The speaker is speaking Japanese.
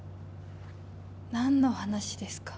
何の話ですか？